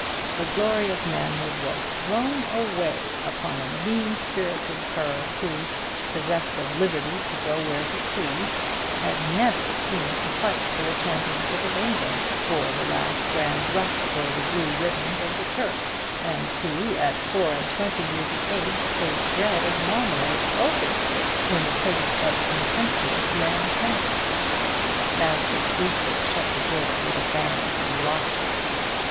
The glory of manhood was thrown away upon a mean spirited cur, who, possessed of liberty to go where he pleased, had never seen a fight for the championship of England, or the last grand rush for the blue riband of the turf; and who, at four and twenty years of age, ate bread and marmalade openly in the face of contemptuous mankind. Master Sleaford shut the door with a bang, and locked it.